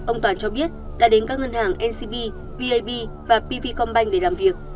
ông toàn cho biết đã đến các ngân hàng ncb vap và pv combine để làm việc